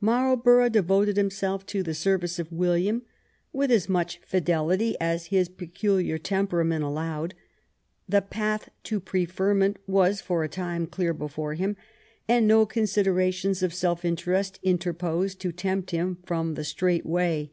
Marlborough devoted himself to the service of William with as much fidelity as his peculiar tem perament allowed, the path to preferment was for a time clear before him, and no considerations of self interest interposed to tempt him from the straight way.